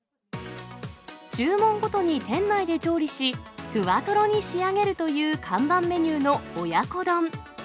注文ごとに店内で調理し、ふわとろに仕上げるという看板メニューの親子丼。